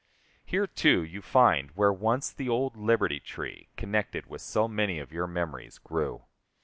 Here, too, you find where once the old Liberty Tree, connected with so many of your memories, grew.